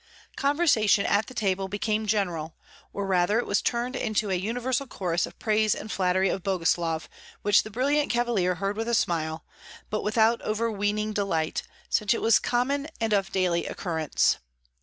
Conversation at the table became general, or rather it was turned into a universal chorus of praise and flattery of Boguslav, which the brilliant cavalier heard with a smile, but without overweening delight, since it was common and of daily occurrence.